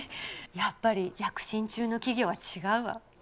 やっぱり躍進中の企業は違うわ。